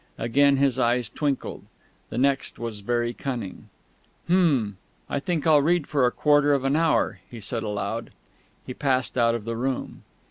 Again his eyes twinkled. The next was very cunning "Hm!... I think I'll read for a quarter of an hour," he said aloud.... He passed out of the room.